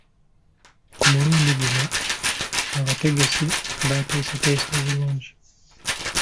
Ku mulundi guno abategesi bateeseteese bulungi.